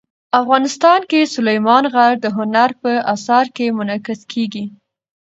افغانستان کې سلیمان غر د هنر په اثار کې منعکس کېږي.